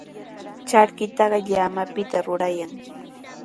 Charkitaqa llamapitami rurayan.